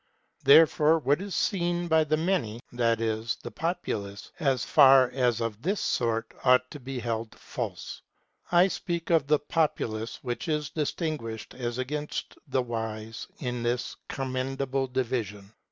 Therefore what is seen by the many that is, the populace as far as of this sort, ought to be held false ; I speak of the populace, which is distinguished as against the wise in this commendable division.